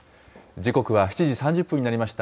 時刻は７時３０分になりました。